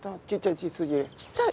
ちっちゃい。